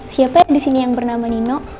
siapa ya disini yang bernama nino